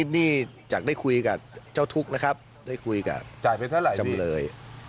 นี่จากได้คุยกับเจ้าทุกข์นะครับได้คุยกับจำเลย